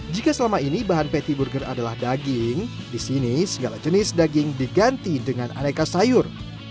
jika selama ini bahan patty burger adalah daging di sini segala jenis daging diganti dengan aneka sayur